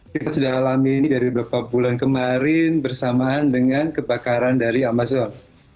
kita sudah alami ini dari beberapa bulan kemarin bersamaan dengan kebakaran dari amazon